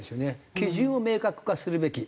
基準を明確化するべき。